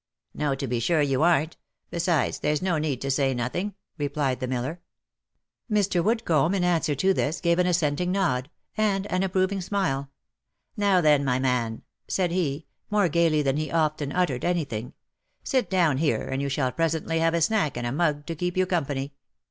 " No, to be sure you arn't — besides there's no need to say nothing," replied the miller. Mr. Woodcomb, in answer to this, gave an assenting nod, and an 256 THE LIFE AND ADVENTURES approving smile. " Now then, my man," said he, more gaily than he often uttered any thing, " sit you down here, and you shall presently have a snack and a mug to keep you company.